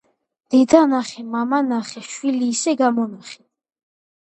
დედა ნახე, მამა ნახე, შვილი ისე გამონახე.